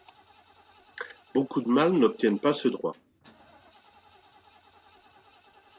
Beaucoup de mâles n’obtiennent pas ce droit.